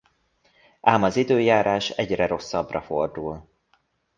Ám az időjárás egyre rosszabbra fordul.